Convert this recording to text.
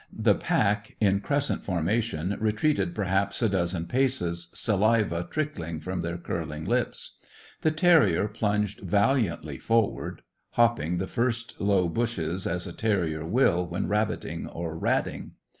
The pack, in crescent formation, retreated perhaps a dozen paces, saliva trickling from their curling lips. The terrier plunged valiantly forward, hopping the first low bushes, as a terrier will when rabbiting or ratting.